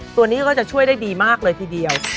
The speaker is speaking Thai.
ตัวนี้ก็จะช่วยได้ดีมากเลยทีเดียว